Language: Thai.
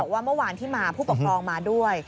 ว่าเมื่อวานที่มาผู้ปกครองมาด้วย